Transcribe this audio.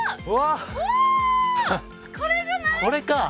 これか！